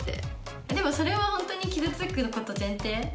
でもそれは本当に傷つくこと前提